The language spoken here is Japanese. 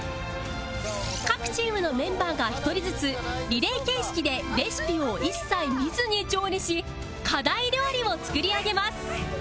各チームのメンバーが１人ずつリレー形式でレシピを一切見ずに調理し課題料理を作り上げます